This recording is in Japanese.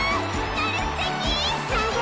なるすてき最高！